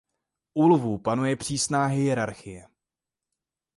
U lvů panuje přísná hierarchie.